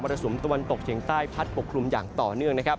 มรสุมตะวันปกตร์เฉียงใต้พัดปกกลุ่มอย่างต่อเนื่อง